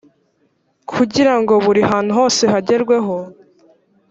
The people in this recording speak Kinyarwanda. kugira ngo buri hantu hose hagerweho